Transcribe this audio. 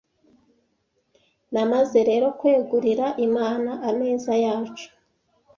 Namaze rero kwegurira Imana ameza yacu